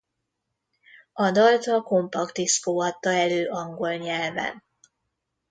A dalt a Compact Disco adta elő angol nyelven.